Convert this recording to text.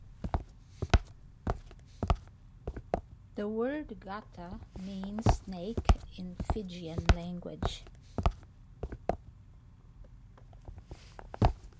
The word gata means snake in Fijian language.